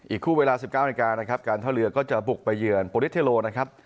อีกคู่เวลาสิบเก้าอันการนะครับการท่าเรือก็จะบุกไปเยือนโปรดิสเทโลนะครับ